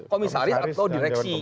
komisaris atau direksi